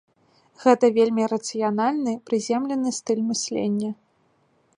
Гэта вельмі рацыянальны, прыземлены стыль мыслення.